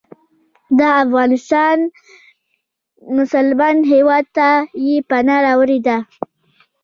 د افغانستان مسلمان هیواد ته یې پناه راوړې ده.